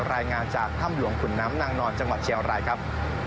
รายงานจากถ้ำหลวงขุนน้ำนางนอนจังหวัดเชียงรายครับ